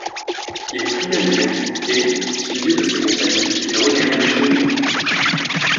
Il prit l’allumette, et, suivi de ses compagnons, il regagna les Cheminées.